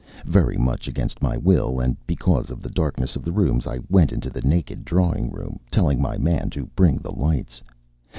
Very much against my will, and because of the darkness of the rooms, I went into the naked drawing room, telling my man to bring the lights.